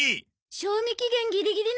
賞味期限ギリギリなの。